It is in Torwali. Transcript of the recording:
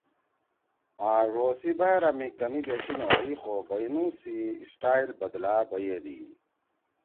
آں ڙو سی بحرا می کمی بیشی نہ ہوئی خو بنُو سی سٹائل بدلا بَیَدی۔